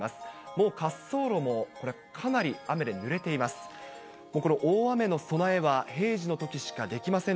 もう滑走路も、これ、かなり雨でぬれています。